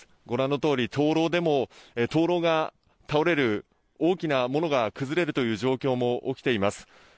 ご覧の通り灯籠でも灯籠が倒れる大きなものが崩れるという状況も起きています。